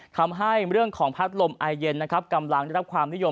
ทำให้เรื่องของพัดลมไอเย็นนะครับกำลังได้รับความนิยม